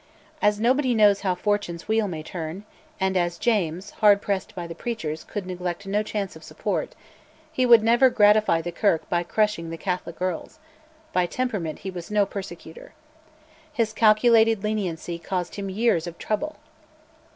As nobody knows how Fortune's wheel may turn, and as James, hard pressed by the preachers, could neglect no chance of support, he would never gratify the Kirk by crushing the Catholic earls, by temperament he was no persecutor. His calculated leniency caused him years of trouble.